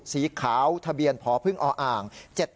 สีขาวทะเบียนพอพึ่งอ่าง